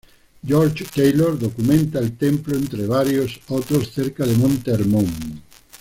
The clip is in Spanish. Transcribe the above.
George Taylor documenta el templo entre varios otros cerca de Monte Hermón.